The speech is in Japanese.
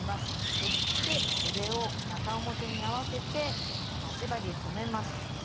そしてそでを中表に合わせて待ち針で留めます。